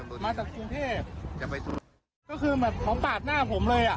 ก็คือเหมือนของปาดหน้าผมเลย